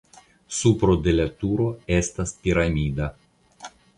Supro de la turo estas piramida.